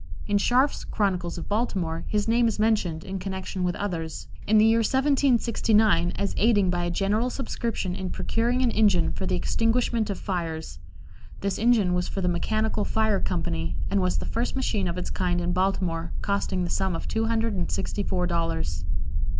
In Scharf's "Chronicles of Baltimore" his name is mentioned, in connection with others, in the year 1769 as aiding by a general subscription in procuring an engine for the extinguishment of fires; this engine was for the "Mechanical Fire Company," and was the first machine of its kind in Baltimore, costing the sum of two hundred and sixty four dollars.